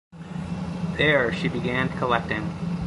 There, she began collecting.